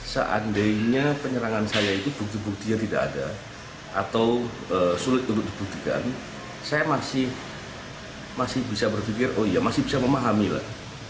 seandainya penyerangan saya itu bukti buktinya tidak ada atau sulit untuk dibuktikan saya masih bisa berpikir oh iya masih bisa memahami lah